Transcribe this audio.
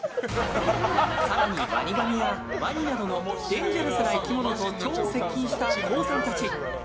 更に、ワニなどのデンジャラスな生き物と超接近したＫＯＯさんたち。